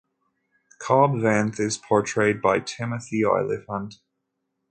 Cobb Vanth is portrayed by Timothy Olyphant.